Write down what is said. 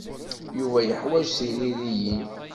Yuba yeḥwaj tiririyin.